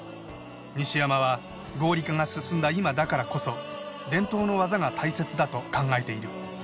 西山は合理化が進んだ今だからこそ伝統の技が大切だと考えている。